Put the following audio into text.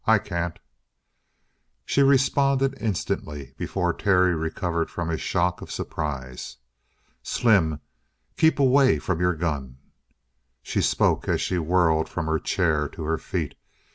I can't!" She responded instantly, before Terry recovered from his shock of surprise. "Slim, keep away from your gun!" She spoke as she whirled from her chair to her feet.